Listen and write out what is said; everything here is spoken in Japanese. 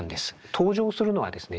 登場するのはですね